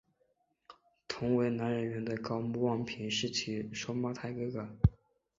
同为男演员的高木万平是其双胞胎哥哥。